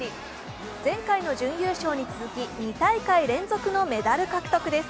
前回の準優勝に続き２大会のメダル獲得です。